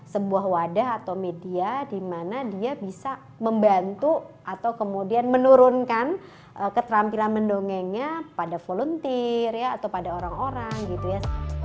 sebuah wadah atau media dimana dia bisa membantu atau kemudian menurunkan keterampilan mendongengnya pada volunteer ya atau pada orang orang gitu ya